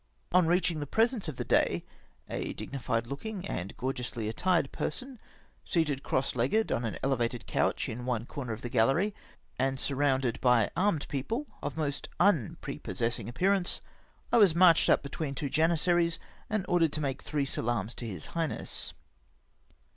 On reaching the presence of the Dey — a dignified looking and gorgeously attired person, seated cross legged on an elevated couch in one corner of the gallery and surrounded by armed people of most unprepos sessing appearance — I was marched up between two janizaries, and ordered to make three salaams to his highness.